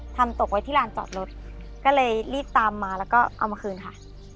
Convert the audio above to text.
ตกไว้ที่ลานจอดรถก็เลยรีบตามมาแล้วก็เอามาคืนค่ะ